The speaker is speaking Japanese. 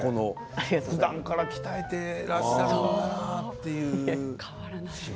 ふだんから鍛えていらっしゃるんだろうなっていうね。